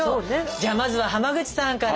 じゃまずは浜口さんから。